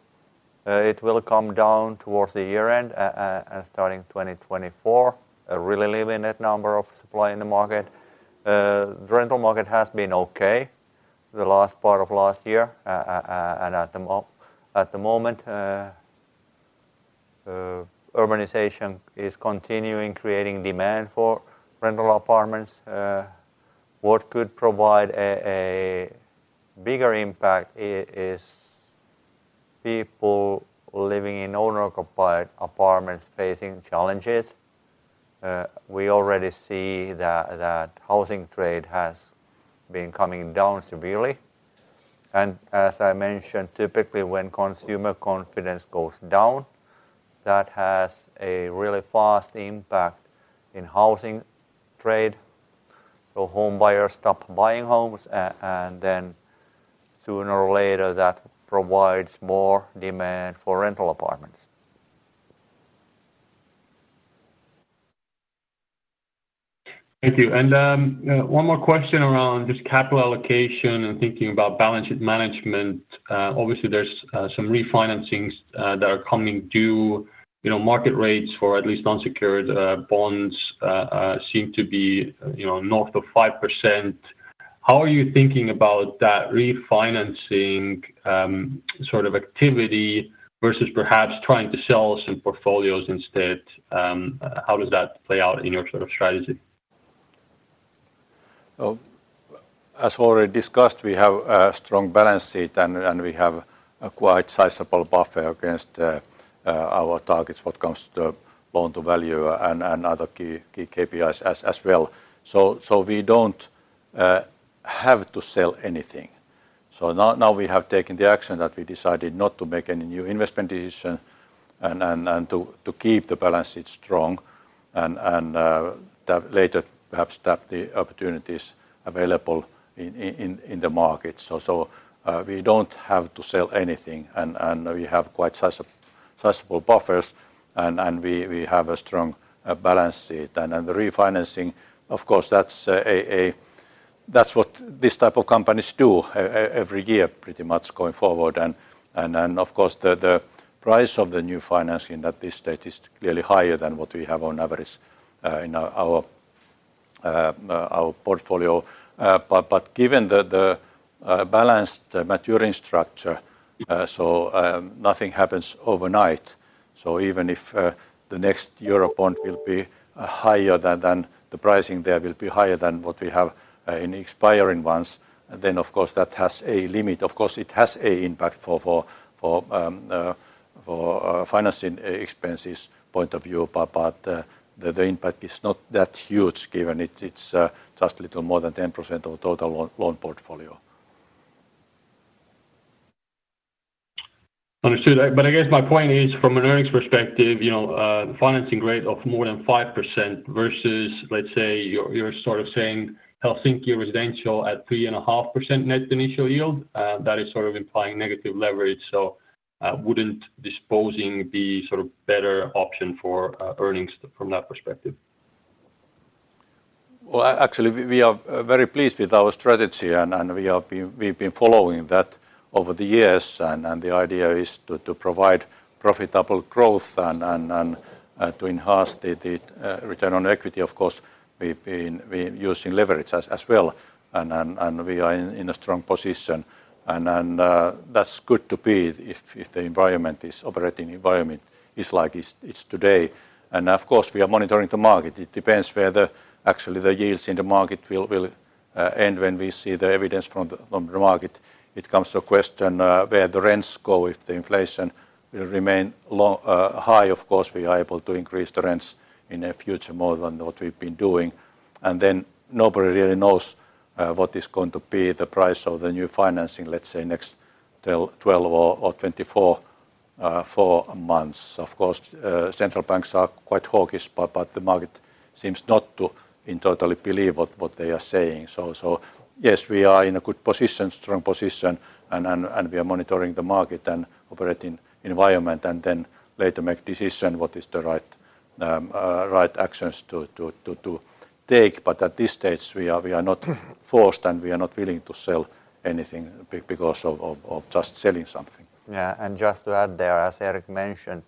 It will come down towards the year end, and starting 2024, really leaving that number of supply in the market. The rental market has been okay the last part of last year. At the moment, urbanization is continuing, creating demand for rental apartments. What could provide a bigger impact is people living in owner-occupied apartments facing challenges. We already see that housing trade has been coming down severely. As I mentioned, typically when consumer confidence goes down, that has a really fast impact in housing trade. Home buyers stop buying homes and then sooner or later that provides more demand for rental apartments. Thank you. One more question around just capital allocation and thinking about balance sheet management. Obviously there's some refinancings that are coming due. You know, market rates for at least non-secured bonds seem to be, you know, north of 5%. How are you thinking about that refinancing sort of activity versus perhaps trying to sell some portfolios instead? How does that play out in your sort of strategy? As already discussed, we have a strong balance sheet and we have a quite sizable buffer against our targets when it comes to loan-to-value and other key KPIs as well. We don't have to sell anything. Now we have taken the action that we decided not to make any new investment decision and to keep the balance sheet strong and that later perhaps tap the opportunities available in the market. We don't have to sell anything and we have quite sizable buffers and we have a strong balance sheet. The refinancing, of course, that's what these type of companies do every year pretty much going forward. Of course the price of the new financing at this stage is clearly higher than what we have on average in our portfolio. But given the balanced maturing structure, nothing happens overnight. Even if the next Eurobond will be higher than the pricing there will be higher than what we have in expiring ones, of course that has a limit. Of course, it has an impact for financing expenses point of view, but the impact is not that huge given it's just a little more than 10% of total loan portfolio. Understood. I guess my point is from an earnings perspective, you know, financing rate of more than 5% versus, let's say, you're sort of saying Helsinki residential at 3.5% net initial yield, that is sort of implying negative leverage. Wouldn't disposing be sort of better option for earnings from that perspective? Actually we are very pleased with our strategy and we have been following that over the years. The idea is to provide profitable growth and to enhance the return on equity. Of course, we're using leverage as well and we are in a strong position. That's good to be if the environment is operating environment is like it's today. Of course, we are monitoring the market. It depends where the yields in the market will end when we see the evidence from the market. It comes to a question where the rents go if the inflation will remain high. We are able to increase the rents in the future more than what we've been doing. Nobody really knows what is going to be the price of the new financing, let's say next 12 or 24 months. Central banks are quite hawkish, but the market seems not to in totally believe what they are saying. Yes, we are in a good position, strong position and we are monitoring the market and operating environment and then later make decision what is the right actions to take. At this stage we are not forced and we are not willing to sell anything because of just selling something. Yeah. Just to add there, as Erik mentioned,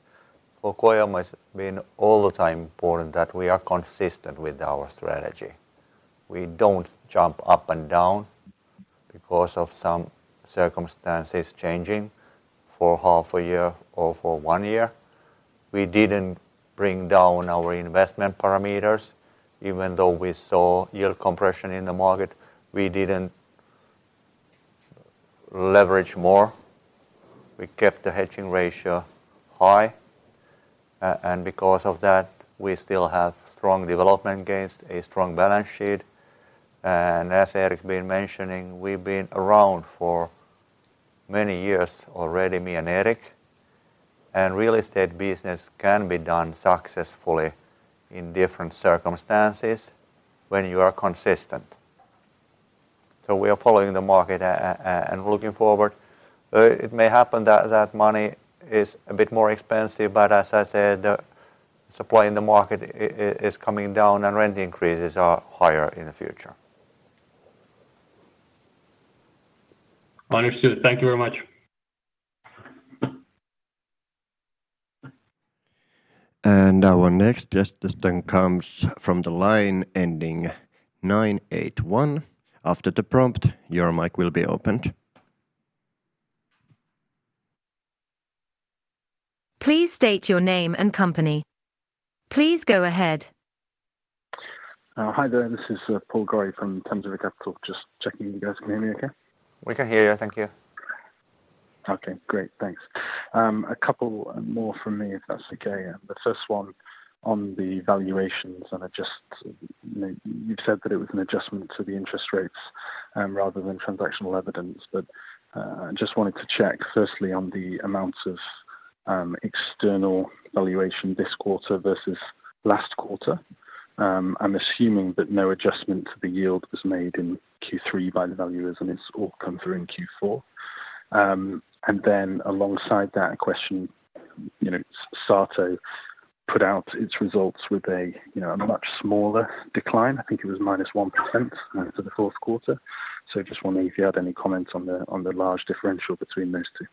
for Kojamo it's been all the time important that we are consistent with our strategy. We don't jump up and down because of some circumstances changing for half a year or for one year. We didn't bring down our investment parameters even though we saw yield compression in the market. We didn't leverage more. We kept the hedging ratio high. Because of that, we still have strong development gains, a strong balance sheet. As Erik been mentioning, we've been around for many years already, me and Erik, and real estate business can be done successfully in different circumstances when you are consistent. We are following the market and looking forward. It may happen that money is a bit more expensive. As I said, supply in the market is coming down and rent increases are higher in the future. Understood. Thank you very much. Our next question comes from the line ending 981. After the prompt, your mic will be opened. Please state your name and company. Please go ahead. Hi there. This is Paul Gorey from Tanzin Capital. Just checking you guys can hear me okay. We can hear you. Thank you. Okay, great. Thanks. A couple more from me, if that's okay. The first one on the valuations. You know, you've said that it was an adjustment to the interest rates, rather than transactional evidence. I just wanted to check firstly on the amounts of external valuation this quarter versus last quarter. I'm assuming that no adjustment to the yield was made in Q3 by the valuers, and it's all come through in Q4. Alongside that question, you know, SATO put out its results with a, you know, a much smaller decline. I think it was -1%, for the fourth quarter. Just wondering if you had any comments on the large differential between those two.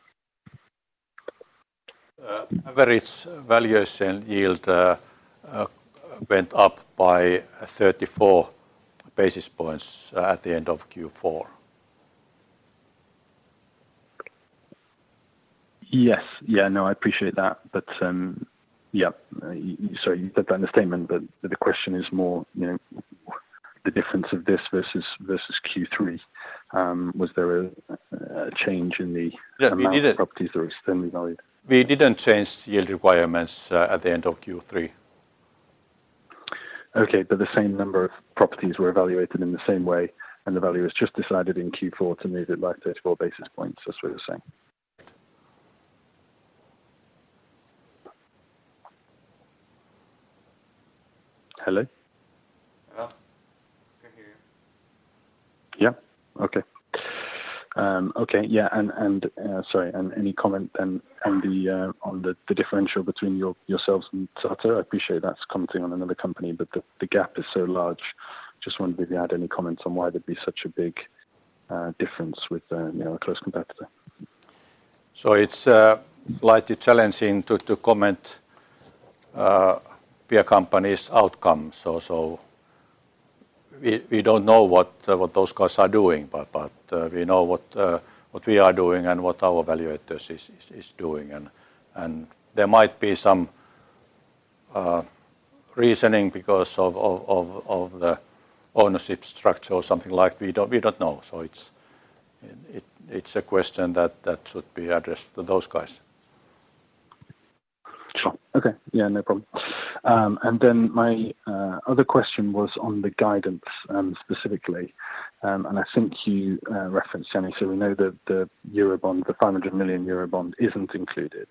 Average valuation yield went up by 34 basis points at the end of Q4. Yes. Yeah, no, I appreciate that. So you've got that statement, but the question is more, you know, the difference of this versus Q3. Was there a change in the amount of properties that were externally valued? We didn't change yield requirements, at the end of Q3. The same number of properties were evaluated in the same way, and the value was just decided in Q4 to move it by 34 basis points. That's what you're saying. Hello? Hello. I hear you. Yeah. Okay. Okay. Yeah. Sorry, any comment then on the differential between yourselves and SATO? I appreciate that's commenting on another company, but the gap is so large. Just wondering if you had any comments on why there'd be such a big difference with, you know, a close competitor. It's slightly challenging to comment peer company's outcome. We don't know what those guys are doing, but we know what we are doing and what our valuators is doing. There might be some reasoning because of the ownership structure or something like. We don't know. It's a question that should be addressed to those guys. Sure. Okay. Yeah, no problem. And then my other question was on the guidance specifically. And I think you referenced, I mean, so we know that the Eurobond, the 500 million Eurobond isn't included.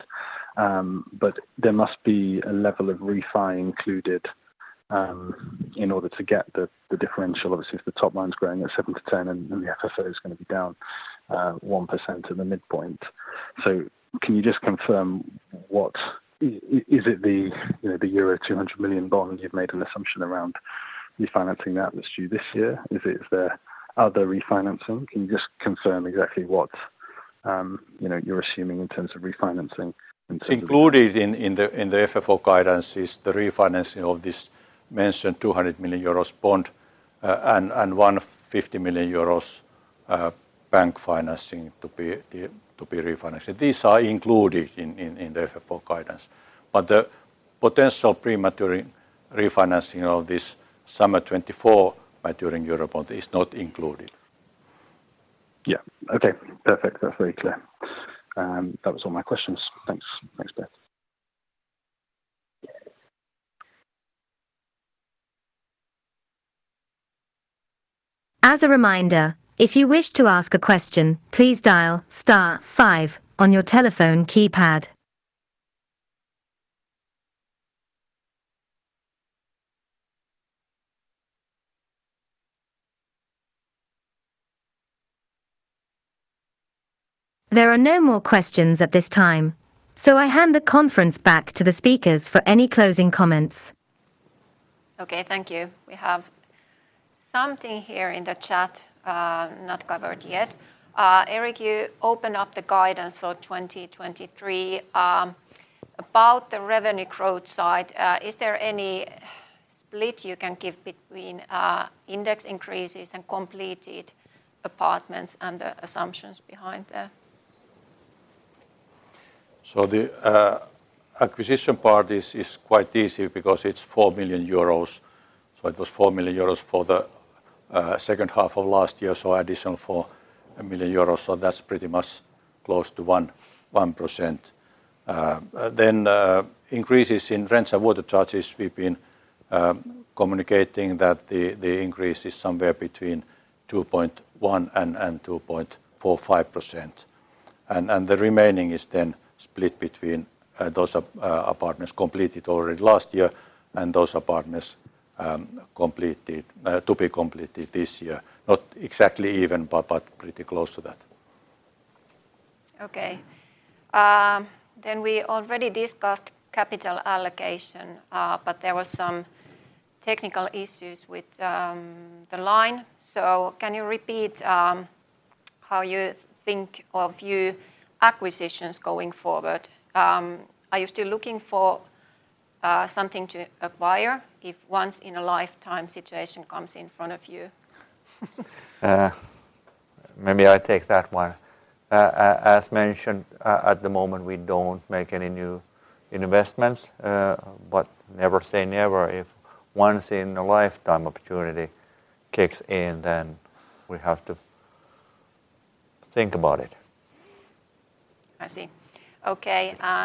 But there must be a level of refi included in order to get the differential. Obviously, if the top line's growing at 7%-10% and then the FFO is gonna be down 1% in the midpoint. Can you just confirm what? Is it the, you know, the euro 200 million bond you've made an assumption around refinancing that was due this year? Is it the other refinancing? Can you just confirm exactly what, you know, you're assuming in terms of refinancing in terms of... Included in the FFO guidance is the refinancing of this mentioned 200 million euros bond and 150 million euros bank financing to be refinanced. These are included in the FFO guidance. The potential premature refinancing of this summer 2024 maturing Eurobond is not included. Yeah. Okay. Perfect. That's very clear. That was all my questions. Thanks. Thanks, Beth. As a reminder, if you wish to ask a question, please dial star five on your telephone keypad. There are no more questions at this time. I hand the conference back to the speakers for any closing comments. Okay, thank you. We have something here in the chat, not covered yet. Erik, you opened up the guidance for 2023. About the revenue growth side, is there any split you can give between index increases and completed apartments and the assumptions behind there? The acquisition part is quite easy because it's 4 million euros. It was 4 million euros for the second half of last year, additional 4 million euros, that's pretty much close to 1%. Then increases in rents and water charges, we've been communicating that the increase is somewhere between 2.1% - 2.45%. The remaining is then split between those apartments completed already last year and those apartments completed to be completed this year. Not exactly even, but pretty close to that. Okay. We already discussed capital allocation, but there were some technical issues with the line. Can you repeat how you think of your acquisitions going forward? Are you still looking for something to acquire if once in a lifetime situation comes in front of you? Maybe I take that one. As mentioned, at the moment, we don't make any new investments. Never say never. If once in a lifetime opportunity kicks in, then we have to think about it. I see. Okay.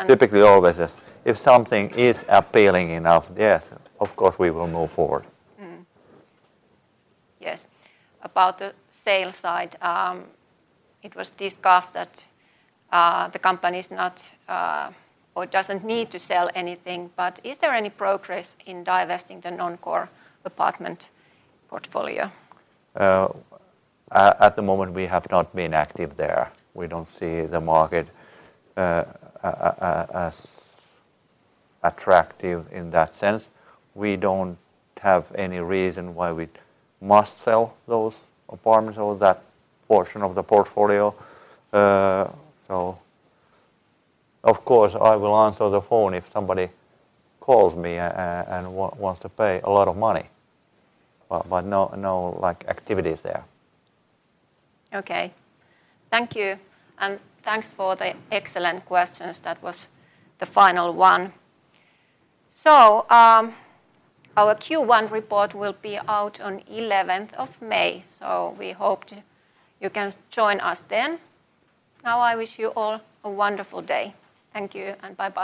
Typically always, yes. If something is appealing enough, yes, of course, we will move forward. Yes. About the sales side, it was discussed that the company is not or doesn't need to sell anything, but is there any progress in divesting the non-core apartment portfolio? At the moment, we have not been active there. We don't see the market as attractive in that sense. We don't have any reason why we must sell those apartments or that portion of the portfolio. Of course, I will answer the phone if somebody calls me and wants to pay a lot of money, but no, like, activities there. Okay. Thank you. Thanks for the excellent questions. That was the final one. Our Q1 report will be out on 11th of May, you can join us then. I wish you all a wonderful day. Thank you. Bye-bye.